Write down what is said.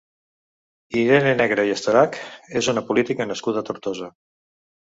Irene Negre i Estorach és una política nascuda a Tortosa.